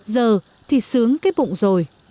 giờ thì sướng cái bụng rồi